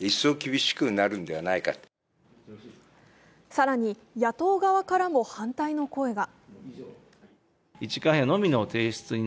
更に、野党側からも反対の声が。